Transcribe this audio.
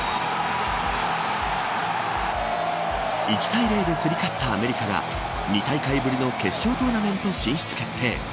１対０で競り勝ったアメリカが２大会ぶりの決勝トーナメント進出決定。